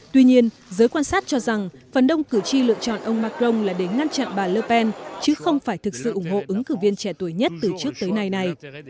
tuy nhiên giới quan sát cho rằng phần đông cử tri lựa chọn ông macron là để ngăn chặn bà lerpen chứ không phải thực sự ủng hộ ứng cử viên trẻ tuổi nhất từ trước tới nay này